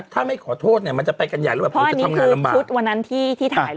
ถ้าไม่ขอโทษเนี่ยมันจะไปกันใหญ่แล้วพออันนี้คือทุกวันนั้นที่ที่ถ่ายเลย